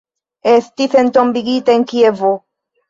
Estis entombigita en Kievo.